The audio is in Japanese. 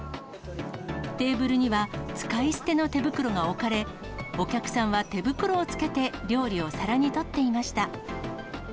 テーブルには、使い捨ての手袋が置かれ、お客さんは手袋をつけて料理を皿に取っていました。